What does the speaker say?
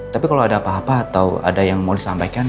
tapi kalau ada apa apa atau ada yang mau disampaikan